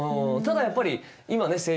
ただやっぱり今ね